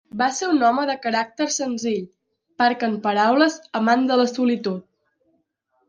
Va ser un home de caràcter senzill, parc en paraules, amant de la solitud.